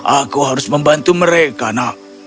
aku harus membantu mereka nak